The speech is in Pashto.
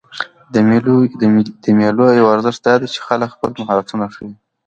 د مېلو یو ارزښت دا دئ، چې خلک خپل مهارتونه ښيي.